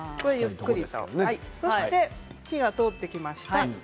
そして火が通ってきました。